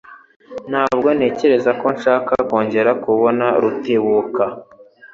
Ntabwo ntekereza ko nshaka kongera kubona Rutebuka.